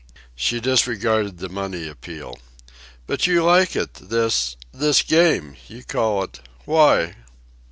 She disregarded the money appeal. "But you like it, this this 'game' you call it. Why?"